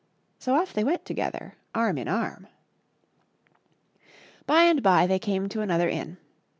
So off they went together arm in arm. By and by they came to another inn.